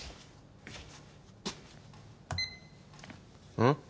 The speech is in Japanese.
うん？